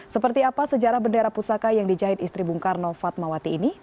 seperti apa sejarah bendera pusaka yang dijahit istri bung karno fatmawati ini